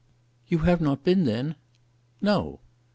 "You have not been, then?" "No."